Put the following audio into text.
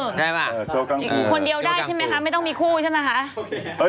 คนเดียวได้ใช่มั้ยครับไม่ต้องมีคู่ใช่มั้ยครับ